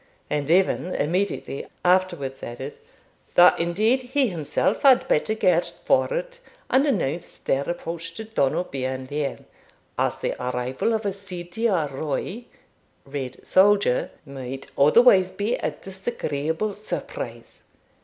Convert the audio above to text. And Evan immediately afterwards added,'that indeed he himself had better get forward, and announce their approach to Donald Bean Lean, as the arrival of a sidier roy (red soldier) might otherwise be a disagreeable surprise.'